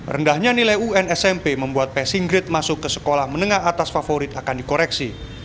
rendahnya nilai un smp membuat passing grade masuk ke sekolah menengah atas favorit akan dikoreksi